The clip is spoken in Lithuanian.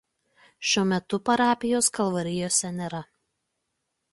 Šiuo metu parapijos Kalvarijoje nėra.